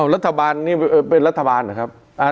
รัฐบาลนี่เป็นรัฐบาลเหรอครับ